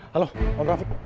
halo pak rafiq